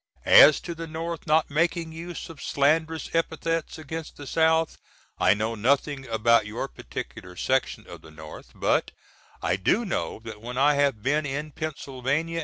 As to the North not making use of slanderous epithets against the South, I know nothing about your particular section of the North, but I do know that when I have been in Penna.